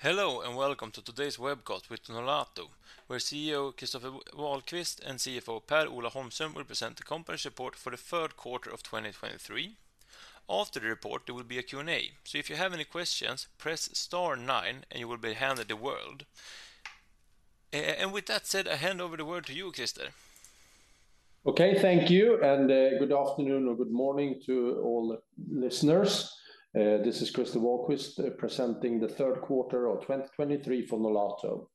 Hello, and welcome to today's webcast with Nolato, where CEO Christer Wahlquist and CFO Per-Ola Holmström will present the company's report for the third quarter of 2023. After the report, there will be a Q&A. So if you have any questions, press star nine, and you will be handed the word. And with that said, I hand over the word to you, Christer. Okay, thank you and good afternoon or good morning to all listeners. This is Christer Wahlquist, presenting the third quarter of 2023 for Nolato.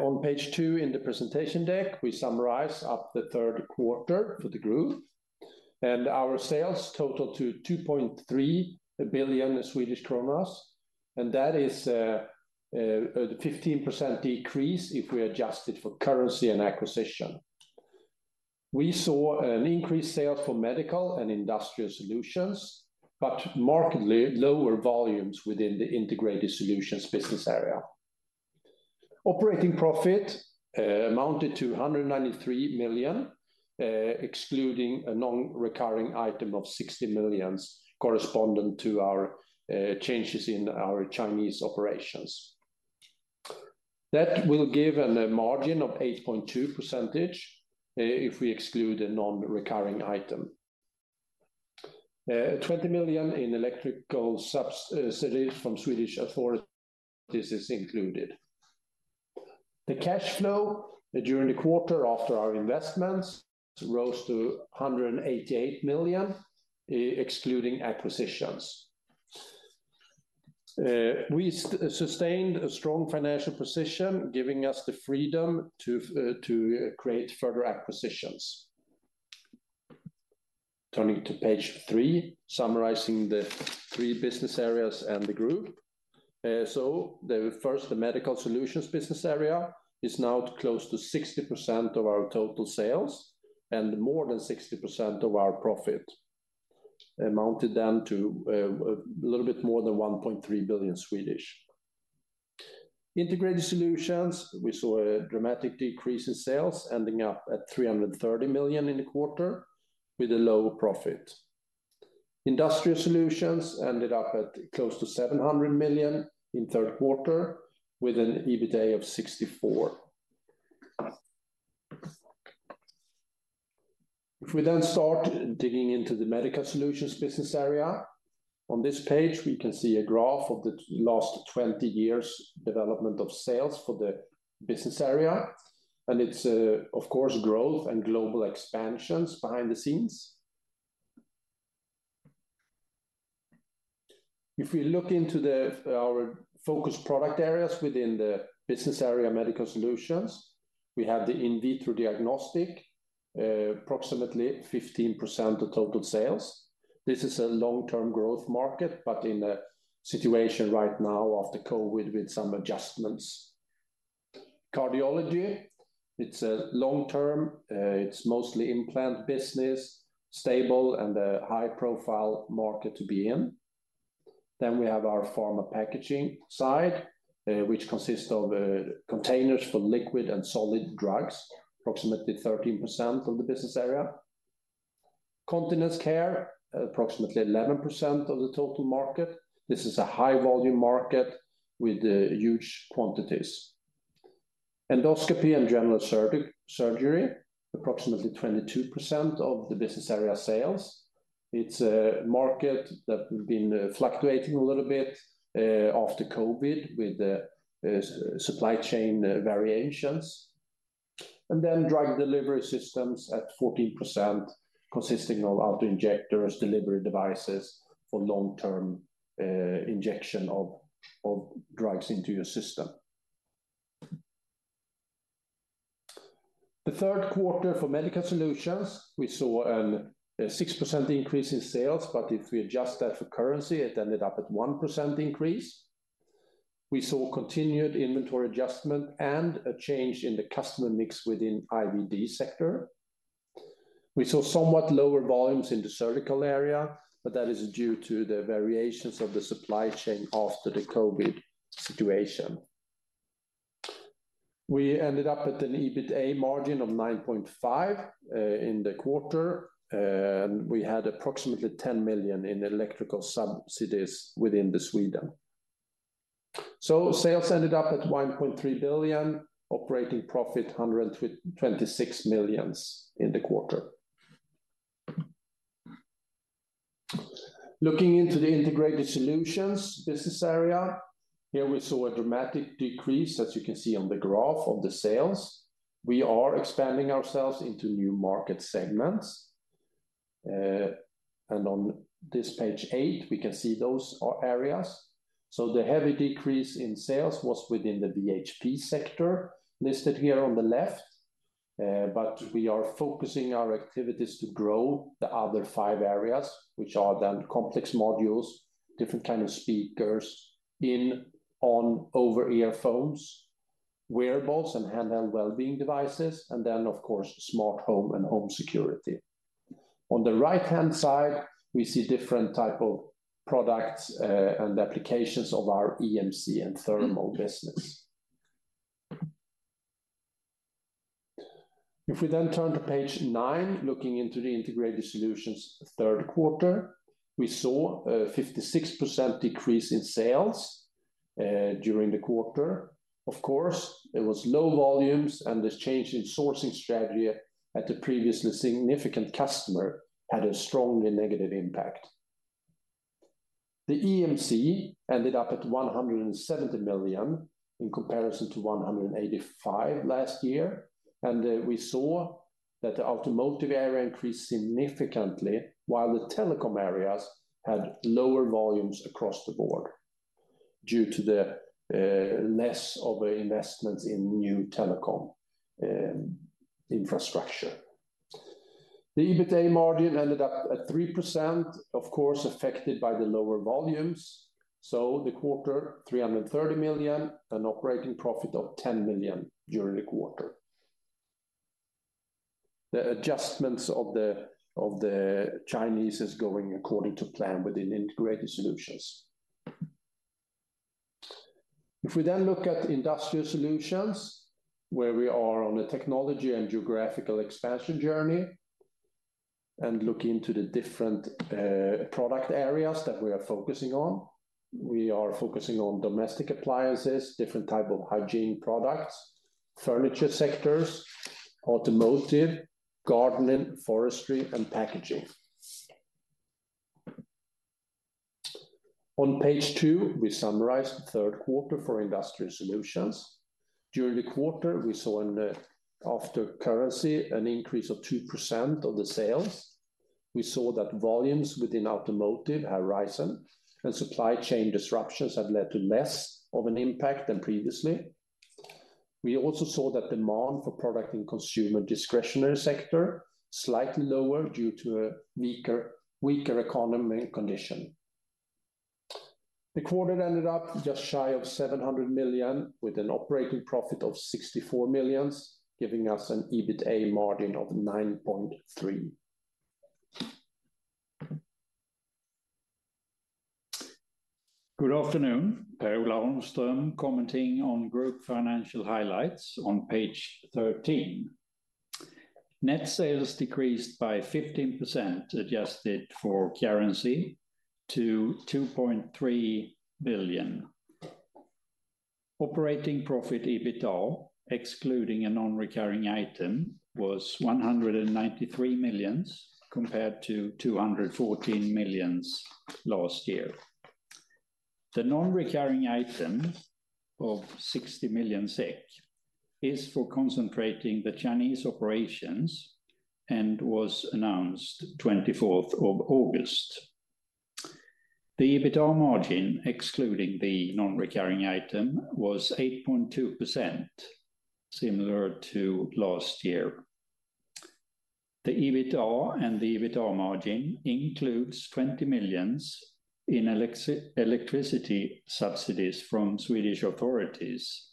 On page two in the presentation deck, we summarize up the third quarter for the group, and our sales total 2.3 billion, and that is a 15% decrease if we adjust it for currency and acquisition. We saw an increased sales for medical and industrial solutions, but markedly lower volumes within the integrated solutions business area. Operating profit amounted to 193 million, excluding a non-recurring item of 60 million, corresponding to our changes in our Chinese operations. That will give a margin of 8.2%, if we exclude a non-recurring item. 20 million in electrical subsidies from Swedish authorities is included. The cash flow during the quarter after our investments rose to 188 million, excluding acquisitions. We sustained a strong financial position, giving us the freedom to create further acquisitions. Turning to page three, summarizing the three business areas and the group. So the first, the Medical Solutions business area, is now close to 60% of our total sales and more than 60% of our profit, amounted then to a little bit more than 1.3 billion. Integrated Solutions, we saw a dramatic decrease in sales, ending up at 330 million in the quarter with a low profit. Industrial Solutions ended up at close to 700 million in third quarter, with an EBITA of 64 million. If we then start digging into the Medical Solutions business area, on this page, we can see a graph of the last 20 years development of sales for the business area, and it's, of course, growth and global expansions behind the scenes. If we look into our focus product areas within the business area, Medical Solutions, we have the in vitro diagnostic, approximately 15% of total sales. This is a long-term growth market, but in a situation right now after COVID, with some adjustments. Cardiology, it's a long term, it's mostly implant business, stable and a high-profile market to be in. Then we have our pharma packaging side, which consists of, containers for liquid and solid drugs, approximately 13% of the business area. Continence care, approximately 11% of the total market. This is a high-volume market with, huge quantities. Endoscopy and general surgery, approximately 22% of the business area sales. It's a market that has been fluctuating a little bit after COVID, with the supply chain variations. And then drug delivery systems at 14%, consisting of auto-injectors, delivery devices for long-term injection of drugs into your system. The third quarter for Medical solutions, we saw a 6% increase in sales, but if we adjust that for currency, it ended up at 1% increase. We saw continued inventory adjustment and a change in the customer mix within IVD sector. We saw somewhat lower volumes in the surgical area, but that is due to the variations of the supply chain after the COVID situation. We ended up at an EBITA margin of 9.5% in the quarter, and we had approximately 10 million in electrical subsidies within Sweden. So sales ended up at 1.3 billion, operating profit, 126 million in the quarter. Looking into the integrated solutions business area, here we saw a dramatic decrease, as you can see on the graph, of the sales. We are expanding ourselves into new market segments. And on this page 8, we can see those areas. So the heavy decrease in sales was within the VHP sector, listed here on the left. But we are focusing our activities to grow the other five areas, which are then complex modules, different kind of speakers, in, on, over-ear phones, wearables, and handheld wellbeing devices, and then, of course, smart home and home security. On the right-hand side, we see different type of products, and applications of our EMC and thermal business. If we then turn to page nine, looking into the Integrated Solutions third quarter, we saw a 56% decrease in sales, during the quarter. Of course, it was low volumes, and this change in sourcing strategy at the previously significant customer had a strongly negative impact. The EMC ended up at 170 million, in comparison to 185 million last year, and, we saw that the automotive area increased significantly, while the telecom areas had lower volumes across the board due to the, less of investments in new telecom, infrastructure. The EBITA margin ended up at 3%, of course, affected by the lower volumes, so the quarter, 330 million, an operating profit of 10 million during the quarter. The adjustments of the, of the Chinese is going according to plan within Integrated Solutions. If we then look at Industrial Solutions, where we are on a technology and geographical expansion journey, and look into the different, product areas that we are focusing on, we are focusing on domestic appliances, different type of hygiene products, furniture sectors, automotive, gardening, forestry, and packaging. On page 2, we summarize the third quarter for Industrial Solutions. During the quarter, we saw an, after currency, an increase of 2% of the sales. We saw that volumes within automotive have risen, and supply chain disruptions have led to less of an impact than previously. We also saw that demand for product and consumer discretionary sector, slightly lower due to a weaker, weaker economy condition. The quarter ended up just shy of 700 million, with an operating profit of 64 million, giving us an EBITA margin of 9.3%. Good afternoon, Per-Ola Holmström, commenting on group financial highlights on page 13. Net sales decreased by 15%, adjusted for currency, to 2.3 billion. Operating profit, EBITA, excluding a non-recurring item, was 193 million, compared to 214 million last year. The non-recurring item of 60 million SEK is for concentrating the Chinese operations and was announced August 24. The EBITA margin, excluding the non-recurring item, was 8.2%, similar to last year. The EBITA and the EBITA margin includes 20 million in electricity subsidies from Swedish authorities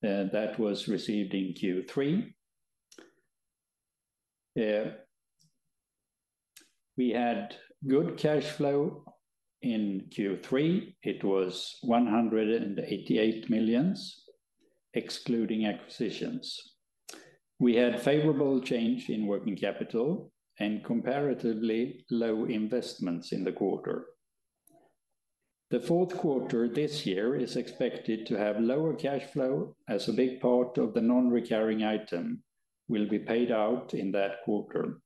that was received in Q3. We had good cash flow in Q3. It was 188 million, excluding acquisitions. We had favorable change in working capital and comparatively low investments in the quarter. The fourth quarter this year is expected to have lower cash flow, as a big part of the non-recurring item will be paid out in that quarter.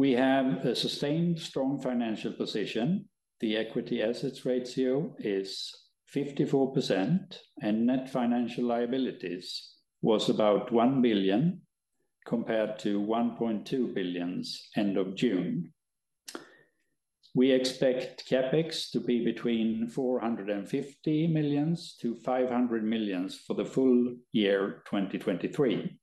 We have a sustained strong financial position. The equity assets ratio is 54%, and net financial liabilities was about 1 billion, compared to 1.2 billion, end of June. We expect CapEx to be between 450 million and 500 million for the full year, 2023.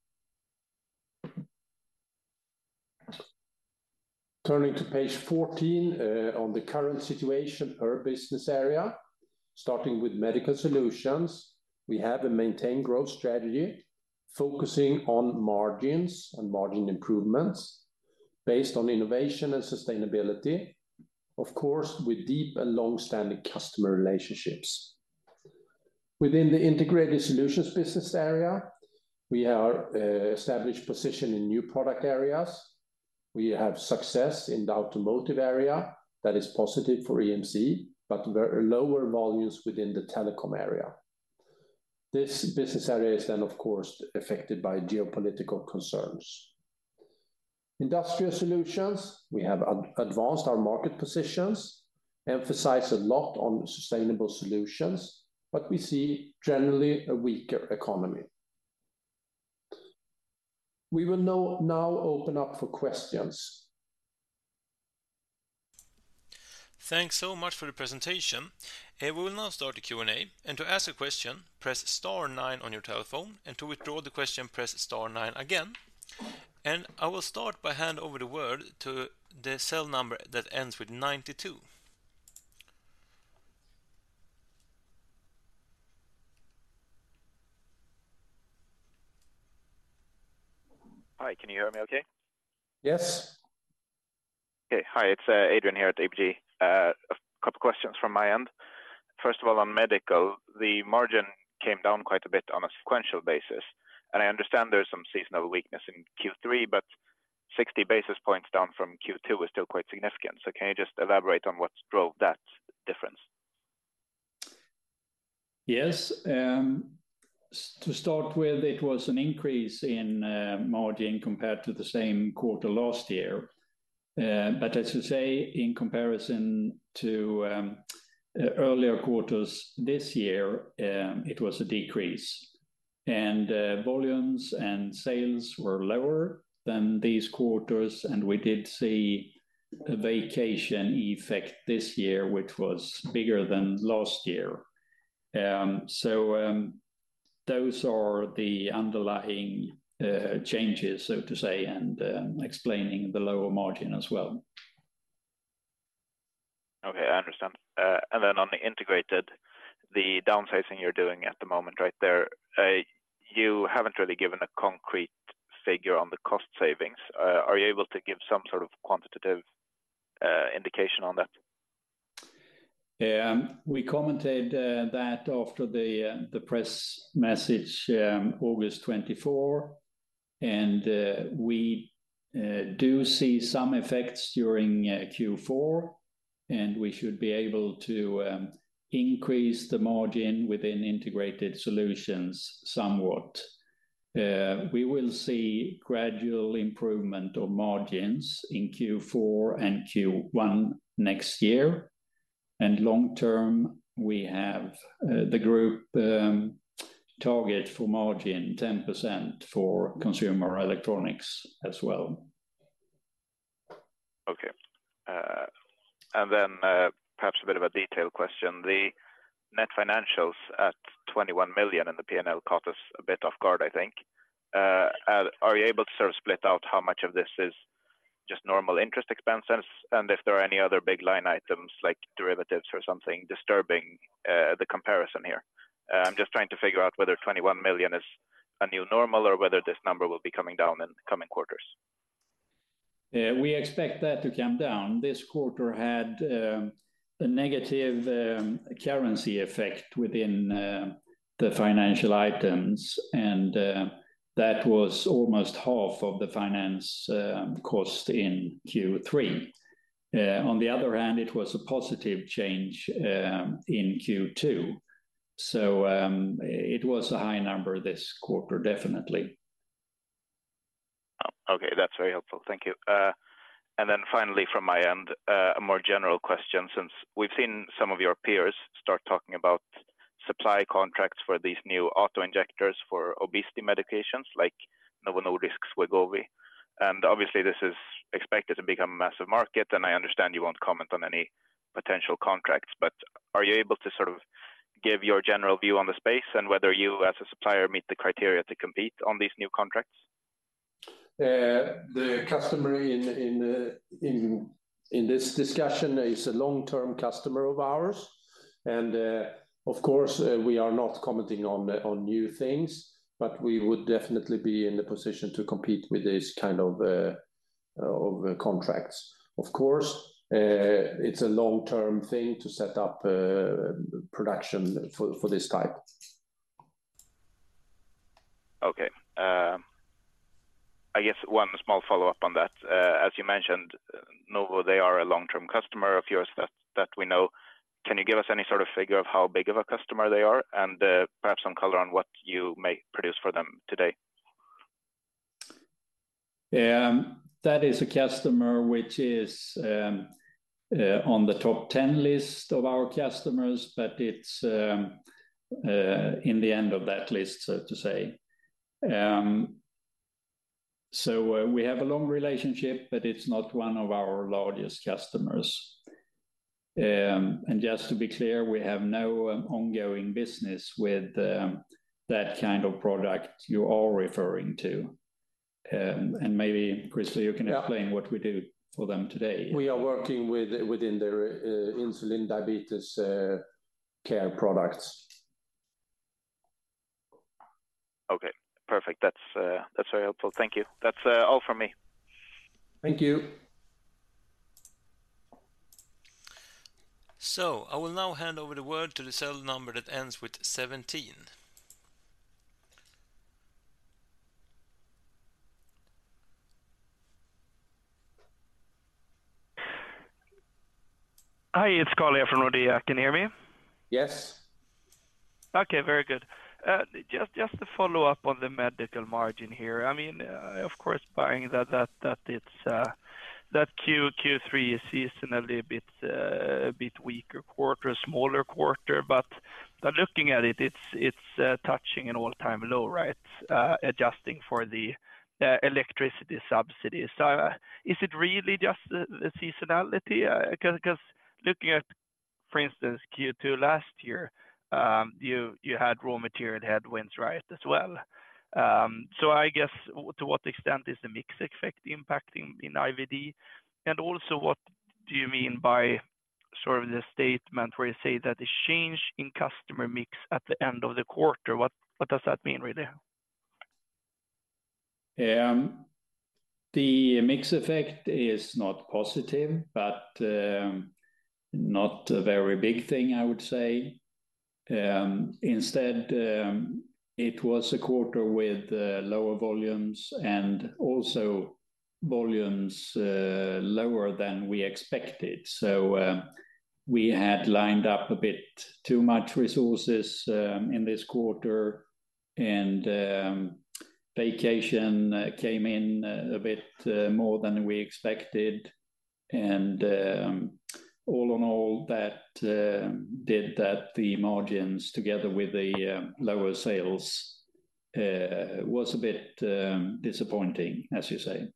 Turning to page 14, on the current situation per business area. Starting with Medical Solutions, we have a maintained growth strategy, focusing on margins and margin improvements based on innovation and sustainability, of course, with deep and long-standing customer relationships. Within the Integrated Solutions business area, we are established position in new product areas. We have success in the automotive area that is positive for EMC, but very lower volumes within the telecom area. This business area is then, of course, affected by geopolitical concerns. Industrial Solutions, we have advanced our market positions, emphasize a lot on sustainable solutions, but we see generally a weaker economy. We will now open up for questions. Thanks so much for the presentation. We will now start the Q&A. To ask a question, press star nine on your telephone, and to withdraw the question, press star nine again. I will start by hand over the word to the cell number that ends with 92. ... Hi, can you hear me okay? Yes. Okay. Hi, it's Adrian here at ABG. A couple questions from my end. First of all, on medical, the margin came down quite a bit on a sequential basis, and I understand there's some seasonal weakness in Q3, but 60 basis points down from Q2 is still quite significant. So can you just elaborate on what drove that difference? Yes, to start with, it was an increase in margin compared to the same quarter last year. But I should say, in comparison to earlier quarters this year, it was a decrease. And volumes and sales were lower than these quarters, and we did see a vacation effect this year, which was bigger than last year. So, those are the underlying changes, so to say, and explaining the lower margin as well. Okay, I understand. And then on the integrated, the downsizing you're doing at the moment right there, you haven't really given a concrete figure on the cost savings. Are you able to give some sort of quantitative indication on that? We commented that after the press message, August 2024, and we do see some effects during Q4, and we should be able to increase the margin within integrated solutions somewhat. We will see gradual improvement of margins in Q4 and Q1 next year, and long term, we have the group target for margin 10% for consumer electronics as well. Okay. And then, perhaps a bit of a detail question. The net financials at 21 million in the P&L caught us a bit off guard, I think. Are you able to sort of split out how much of this is just normal interest expenses? And if there are any other big line items like derivatives or something disturbing the comparison here. I'm just trying to figure out whether 21 million is a new normal or whether this number will be coming down in the coming quarters. We expect that to come down. This quarter had a negative currency effect within the financial items, and that was almost half of the finance cost in Q3. On the other hand, it was a positive change in Q2, so it was a high number this quarter, definitely. Oh, okay. That's very helpful. Thank you. And then finally, from my end, a more general question, since we've seen some of your peers start talking about supply contracts for these new auto-injectors for obesity medications, like Novo Nordisk's Wegovy. And obviously, this is expected to become a massive market, and I understand you won't comment on any potential contracts, but are you able to sort of give your general view on the space and whether you, as a supplier, meet the criteria to compete on these new contracts? The customer in this discussion is a long-term customer of ours. Of course, we are not commenting on new things, but we would definitely be in the position to compete with this kind of contracts. Of course, it's a long-term thing to set up production for this type. Okay. I guess one small follow-up on that. As you mentioned, Novo, they are a long-term customer of yours, that we know. Can you give us any sort of figure of how big of a customer they are and, perhaps some color on what you may produce for them today? That is a customer which is on the top 10 list of our customers, but it's in the end of that list, so to say. So, we have a long relationship, but it's not one of our largest customers. Just to be clear, we have no ongoing business with that kind of product you are referring to. Maybe, Christer, you can- Yeah... explain what we do for them today. We are working within their insulin diabetes care products. Okay, perfect. That's, that's very helpful. Thank you. That's, all from me. Thank you. I will now hand over the word to the cell number that ends with 17. Hi, it's Carl from Nordea. Can you hear me? Yes. Okay, very good. Just to follow up on the medical margin here. I mean, of course, buying that it's that Q3 is seasonally a bit weaker quarter, smaller quarter, but looking at it, it's touching an all-time low, right? Adjusting for the electricity subsidy. So, is it really just the seasonality? 'Cause looking at, for instance, Q2 last year, you had raw material headwinds, right, as well. So I guess, to what extent is the mix effect impacting in IVD? And also, what do you mean by sort of the statement where you say that the change in customer mix at the end of the quarter, what does that mean right there? The mix effect is not positive, but, not a very big thing, I would say. Instead, it was a quarter with, lower volumes and also volumes, lower than we expected. So, we had lined up a bit too much resources, in this quarter, and, vacation, came in, a bit, more than we expected. And, all in all, that, did that the margins, together with the, lower sales, was a bit, disappointing, as you say.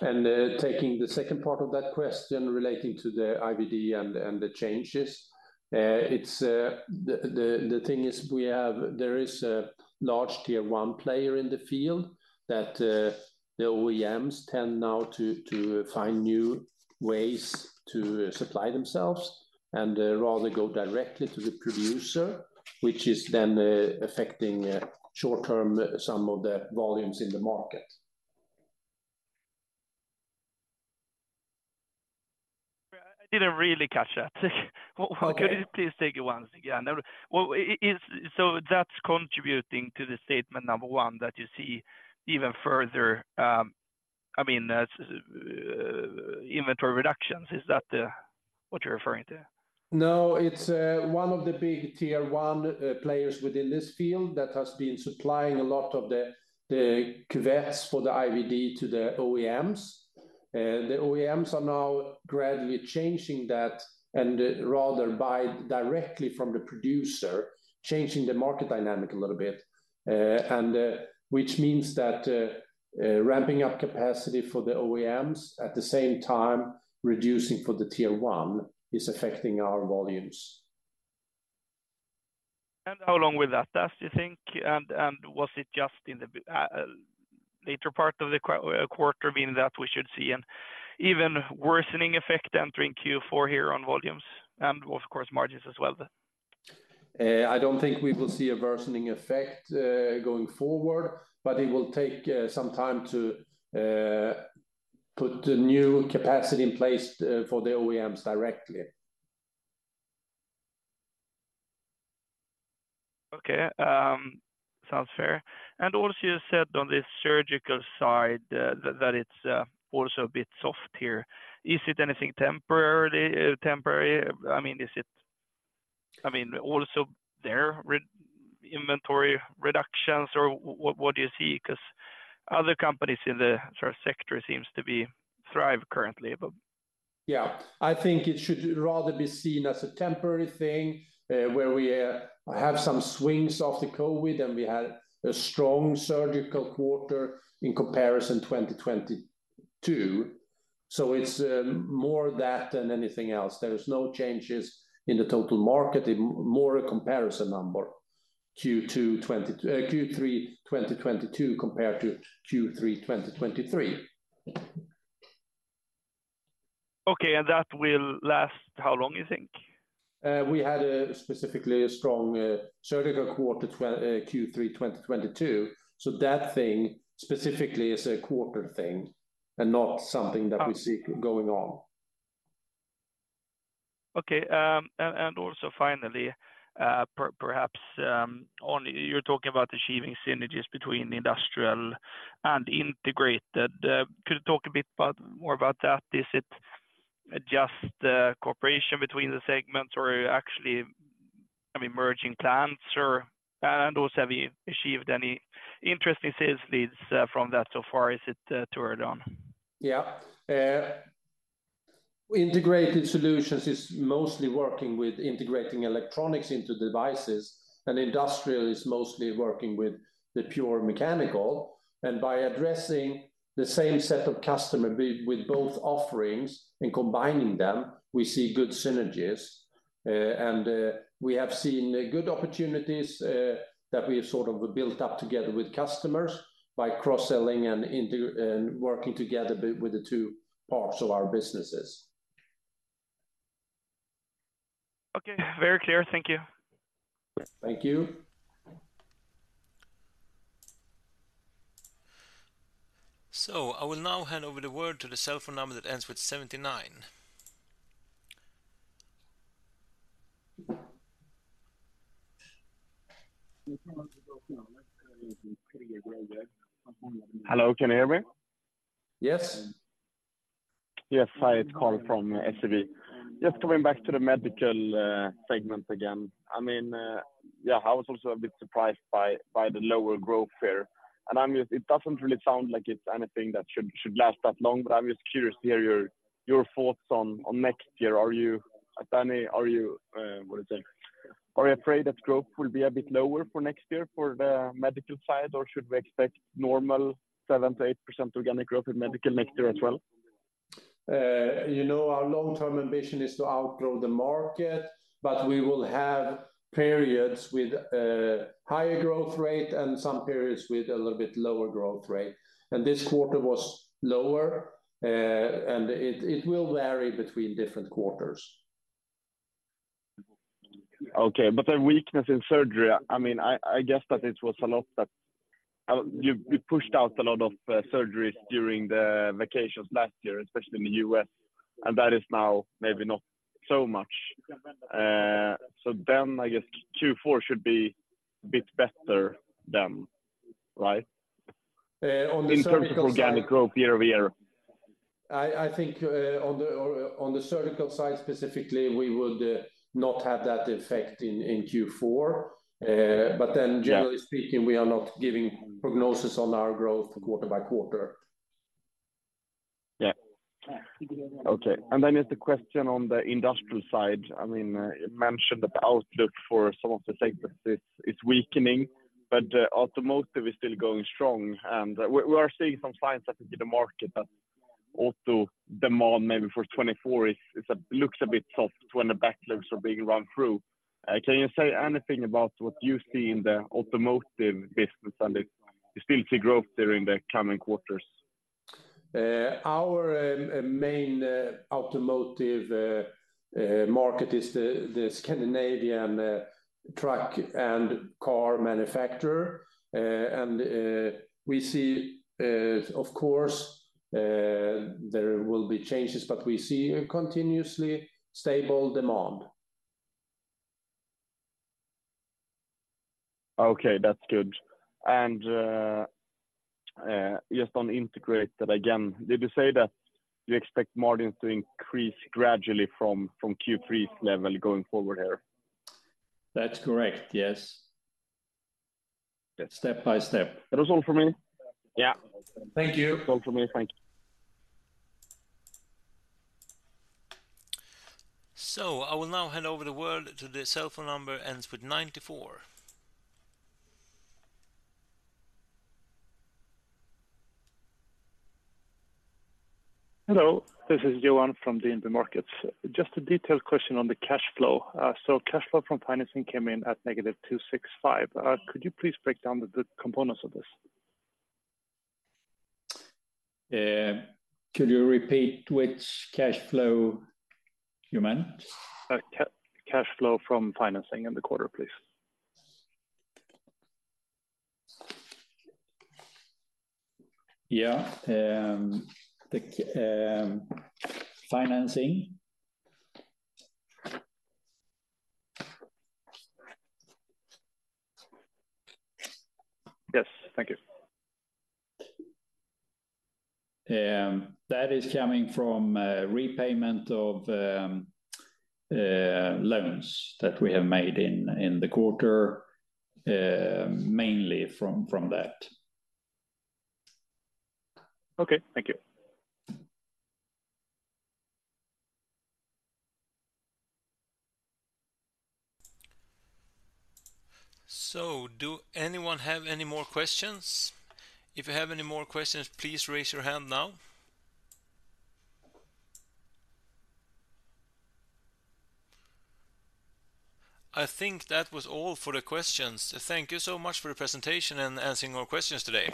Taking the second part of that question relating to the IVD and the changes, it's the thing is there is a large tier one player in the field that the OEMs tend now to find new ways to supply themselves, and rather go directly to the producer, which is then affecting short-term some of the volumes in the market. I didn't really catch that. Okay. Could you please take it once again? Well, so that's contributing to the statement number one, that you see even further, I mean, inventory reductions. Is that what you're referring to? No, it's one of the big tier one players within this field that has been supplying a lot of the cuvettes for the IVD to the OEMs. The OEMs are now gradually changing that, and rather buy directly from the producer, changing the market dynamic a little bit. And which means that ramping up capacity for the OEMs, at the same time, reducing for the tier one, is affecting our volumes. And how long will that last, do you think? And, and was it just in the later part of the quarter, being that we should see an even worsening effect entering Q4 here on volumes, and of course, margins as well? I don't think we will see a worsening effect going forward, but it will take some time to put the new capacity in place for the OEMs directly. Okay, sounds fair. And also, you said on the surgical side, that it's also a bit soft here. Is it anything temporary? I mean, is it also there re-inventory reductions or what, what do you see? 'Cause other companies in the sort of sector seems to be thrive currently, but. Yeah, I think it should rather be seen as a temporary thing, where we have some swings off the COVID, and we had a strong surgical quarter in comparison to 2022. So it's more that than anything else. There is no changes in the total market, it more a comparison number, Q3 2022 compared to Q3 2023. Okay, and that will last how long you think? We had specifically a strong surgical quarter, Q3 2022, so that thing specifically is a quarter thing and not something that we see going on. Okay, and also finally, perhaps, only you're talking about achieving synergies between industrial and integrated. Could you talk a bit more about that? Is it just cooperation between the segments or actually, I mean, merging plans? Also, have you achieved any interesting sales leads from that so far, or is it too early on? Yeah, integrated solutions is mostly working with integrating electronics into devices, and industrial is mostly working with the pure mechanical. By addressing the same set of customer base with both offerings and combining them, we see good synergies. And we have seen good opportunities that we have sort of built up together with customers by cross-selling and working together with the two parts of our businesses. Okay, very clear. Thank you. Thank you. I will now hand over the word to the cell phone number that ends with 79. Hello, can you hear me? Yes. Yes, hi, it's Oscar from SEB. Just coming back to the medical segment again. I mean, yeah, I was also a bit surprised by the lower growth here. And I'm just, it doesn't really sound like it's anything that should last that long, but I'm just curious to hear your thoughts on next year. Are you afraid that growth will be a bit lower for next year for the medical side, or should we expect normal 7%-8% organic growth in medical next year as well? you know, our long-term ambition is to outgrow the market, but we will have periods with higher growth rate and some periods with a little bit lower growth rate. This quarter was lower, and it will vary between different quarters.... Okay, but the weakness in surgery, I mean, I guess that it was a lot that you pushed out a lot of surgeries during the vacations last year, especially in the U.S., and that is now maybe not so much. So then I guess Q4 should be a bit better then, right? On the- In terms of organic growth year-over-year. I think on the surgical side specifically, we would not have that effect in Q4. But then- Yeah Generally speaking, we are not giving prognosis on our growth quarter by quarter. Yeah. Okay, and then there's the question on the industrial side. I mean, you mentioned the outlook for some of the segments is weakening, but automotive is still going strong. And we are seeing some signs in the market that auto demand maybe for 2024 looks a bit soft when the backlogs are being run through. Can you say anything about what you see in the automotive business and if you still see growth during the coming quarters? Our main automotive market is the Scandinavian truck and car manufacturer. We see, of course, there will be changes, but we see a continuously stable demand. Okay, that's good. And just on integrated again, did you say that you expect margins to increase gradually from Q3 level going forward here? That's correct, yes. Step by step. That was all for me. Yeah. Thank you. All for me. Thank you. I will now hand over the word to the cell phone number ends with 94. Hello, this is Johan from DNB Markets. Just a detailed question on the cash flow. So cash flow from financing came in at -265. Could you please break down the components of this? Could you repeat which cash flow you meant? Cash flow from financing in the quarter, please. Yeah, the financing. Yes. Thank you. That is coming from repayment of loans that we have made in the quarter, mainly from that. Okay. Thank you. Do anyone have any more questions? If you have any more questions, please raise your hand now. I think that was all for the questions. Thank you so much for the presentation and answering our questions today.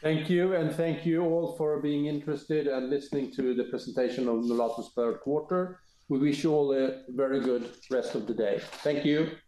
Thank you, and thank you all for being interested and listening to the presentation of the Nolato's third quarter. We wish you all a very good rest of the day. Thank you.